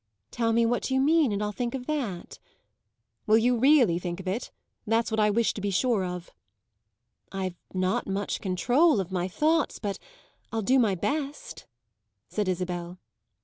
"Tell me what you mean, and I'll think of that." "Will you really think of it? That's what I wish to be sure of." "I've not much control of my thoughts, but I'll do my best," said Isabel.